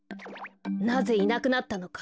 なぜいなくなったのか。